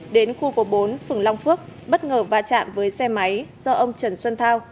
đến khu phố bốn phường long phước bất ngờ va chạm với xe máy do ông trần xuân thao